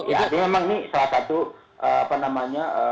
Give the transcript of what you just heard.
ya artinya memang ini salah satu apa namanya